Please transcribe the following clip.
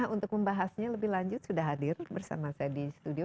untuk membahasnya lebih lanjut sudah hadir bersama saya di studio